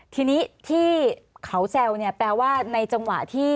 ทีนี้ที่เขาแซวเนี่ยแปลว่าในจังหวะที่